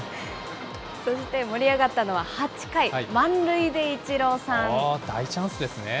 そして、盛り上がったのは８回、満塁でイチローさん。